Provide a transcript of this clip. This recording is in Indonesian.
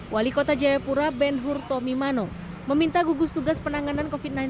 wali kota jayapura ben hur tomimano meminta gugus tugas penanganan covid sembilan belas